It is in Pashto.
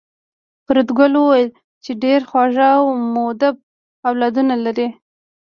فریدګل وویل چې ډېر خواږه او مودب اولادونه لرې